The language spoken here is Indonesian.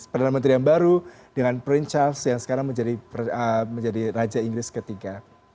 perdana menteri yang baru dengan prince charge yang sekarang menjadi raja inggris ketiga